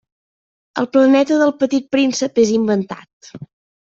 El planeta del Petit Príncep és inventat.